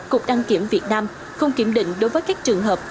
cục đăng kiểm việt nam không kiểm định đối với các trường hợp